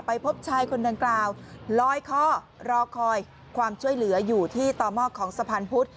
พบชายคนดังกล่าวลอยคอรอคอยความช่วยเหลืออยู่ที่ต่อหม้อของสะพานพุธ